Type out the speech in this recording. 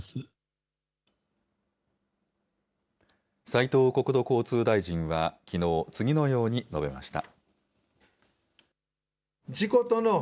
斉藤国土交通大臣はきのう、次のように述べました。